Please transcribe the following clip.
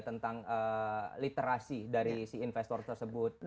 tentang literasi dari si investor tersebut